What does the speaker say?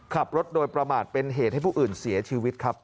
ขับรถโดยประมาทเป็นเหตุให้ผู้อื่นเสียชีวิตครับ